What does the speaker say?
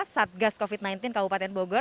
satgas covid sembilan belas kabupaten bogor